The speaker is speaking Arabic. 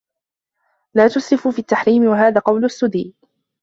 لَا تُسْرِفُوا فِي التَّحْرِيمِ وَهَذَا قَوْلُ السُّدِّيِّ